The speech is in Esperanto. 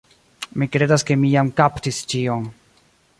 Mi kredas ke mi jam kaptis ĉion.